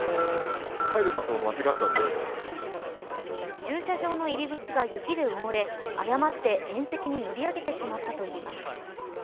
駐車場の入り口が雪で埋もれ誤って縁石に乗り上げてしまったといいます。